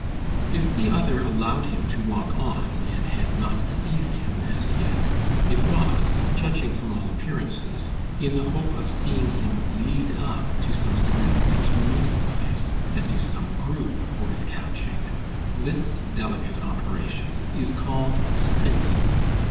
If the other allowed him to walk on, and had not seized him as yet, it was, judging from all appearances, in the hope of seeing him lead up to some significant meeting place and to some group worth catching. This delicate operation is called "spinning."